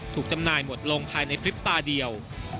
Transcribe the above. ถูกจำนายหมดลงภายในฟลิปตาเดียว